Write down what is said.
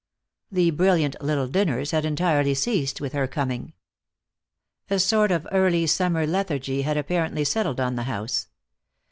The brilliant little dinners had entirely ceased, with her coming. A sort of early summer lethargy had apparently settled on the house.